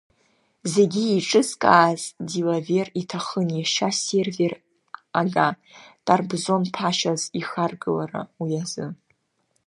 Зегьы еиҿызкааз Дилавер иҭахын иашьа Сервер-ага Трабзон ԥашьас иахаргылара, уи азы…